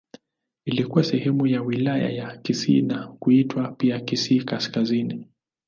Ilikuwa sehemu ya Wilaya ya Kisii na kuitwa pia Kisii Kaskazini.